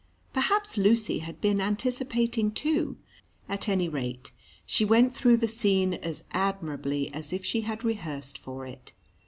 Perhaps Lucy had been anticipating, too. At any rate she went through the scene as admirably as if she had rehearsed for it.